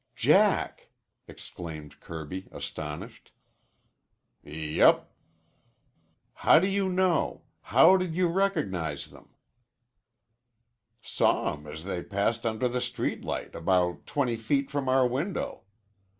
"Jack!" exclaimed Kirby, astonished. "Yep." "How do you know? How did you recognize them?" "Saw 'em as they passed under the street light about twenty feet from our window.